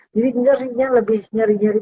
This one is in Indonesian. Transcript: jadi ngerinya lebih ngeri ngeri